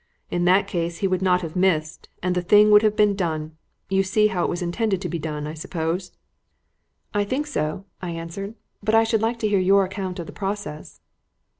In that case he would not have missed, and the thing would have been done. You see how it was intended to be done, I suppose?" "I think so," I answered; "but I should like to hear your account of the process."